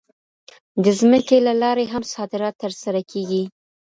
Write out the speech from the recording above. د ځمکې له لارې هم صادرات ترسره کېږي.